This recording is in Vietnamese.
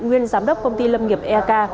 nguyên giám đốc công ty lâm nghiệp ek